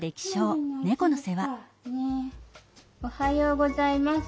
おはようございます。